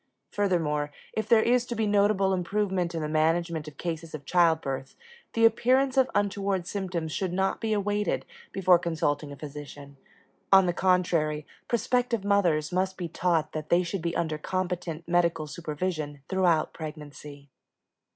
Furthermore, if there is to be notable improvement in the management of cases of childbirth, the appearance of untoward symptoms should not be awaited before consulting a physician; on the contrary, prospective mothers must be taught that they should be under competent medical supervision throughout pregnancy.